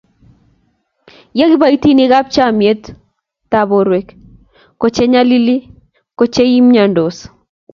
ya eiso kiboitinikab chamanetab borwek ko che nyalili ko che imyondos